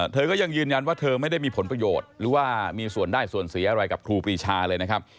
เธอก็ยังยืนยันว่าเธอไม่ได้มีผลประโยชน์หรือว่ามีส่วนได้ส่วนเสียอะไรกับครูปรีชาเลยนะครับ